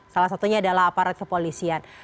salah satunya adalah aparat kepolisian